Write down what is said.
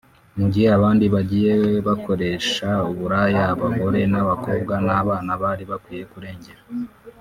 mu gihe abandi bagiye bakoresha uburaya abagore n’abakobwa n’abana bari bakwiye kurengera